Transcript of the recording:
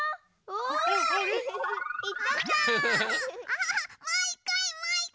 おい！